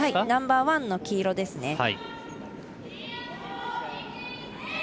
ナンバーワンの黄色ですね。